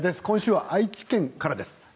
今週は愛知県からです。